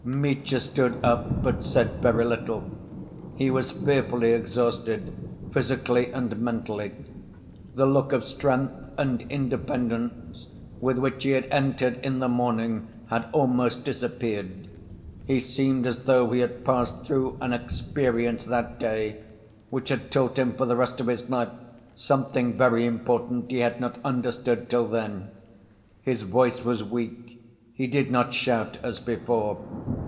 Mitya stood up, but said very little. He was fearfully exhausted, physically and mentally. The look of strength and independence with which he had entered in the morning had almost disappeared. He seemed as though he had passed through an experience that day, which had taught him for the rest of his life something very important he had not understood till then. His voice was weak, he did not shout as before.